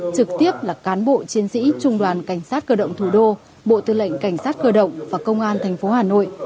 trực tiếp là cán bộ chiến sĩ trung đoàn cảnh sát cơ động thủ đô bộ tư lệnh cảnh sát cơ động và công an tp hà nội